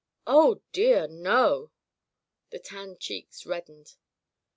"Oh, dear, no! The tanned cheeks reddened.